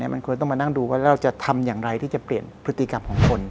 มันควรต้องมานั่งดูว่าเราจะทำอย่างไรที่จะเปลี่ยนพฤติกรรมของคน